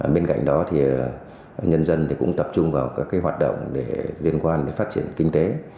bên cạnh đó thì nhân dân cũng tập trung vào các hoạt động liên quan phát triển kinh tế